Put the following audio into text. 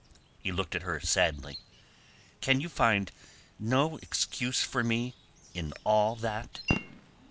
He looked at her sadly. "Can you find no excuse for me in all that?"